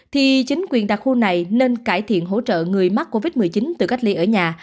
thì chính quyền đặc khu này nên cải thiện hỗ trợ người mắc covid một mươi chín tự cách ly ở nhà